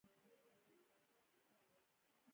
د پنجاب په کلیوالو سیمو کې اخلاقي فساد ډیر دی